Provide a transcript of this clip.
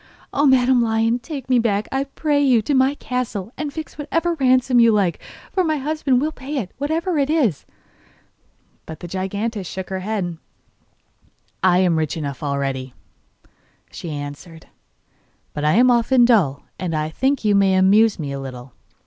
'Oh, Madam Lion, take me back, I pray you, to my castle; and fix what ransom you like, for my husband will pay it, whatever it is. But the giantess shook her head. 'I am rich enough already,' she answered, 'but I am often dull, and I think you may amuse me a little.